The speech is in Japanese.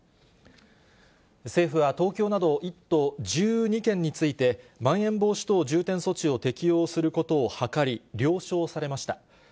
政府は東京など１都１２県について、まん延防止等重点措置を適用することを諮り、了承されました。